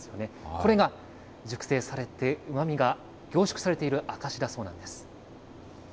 これが熟成されてうまみが凝縮されている証しだそうなんです。